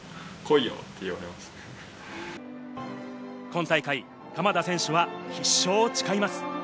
今大会、鎌田選手は必勝を誓います。